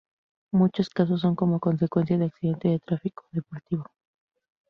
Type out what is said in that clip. Muchos casos son como consecuencia de accidente de tráfico o deportivo.